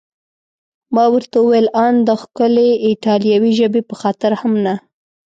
ما ورته وویل: ان د ښکلې ایټالوي ژبې په خاطر هم نه؟